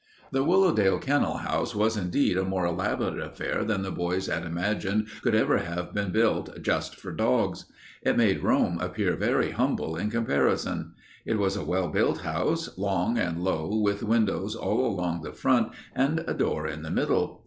The Willowdale kennel house was indeed a more elaborate affair than the boys had imagined could ever have been built just for dogs. It made Rome appear very humble in comparison. It was a well built house, long and low, with windows all along the front and a door in the middle.